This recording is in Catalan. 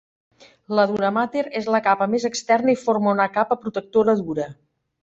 La duramàter és la capa més externa i forma una capa protectora dura.